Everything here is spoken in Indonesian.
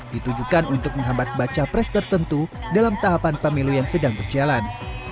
ditujukan untuk menghambat baca pres tertentu dalam tahapan pemilu yang sedang berjalan